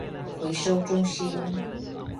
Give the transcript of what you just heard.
回收中心